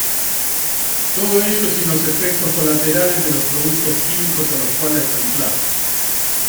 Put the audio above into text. Todo ello sin los efectos colaterales de los productos químicos a los cuales reemplaza.